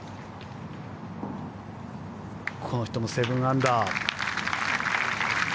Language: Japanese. この人も７アンダー。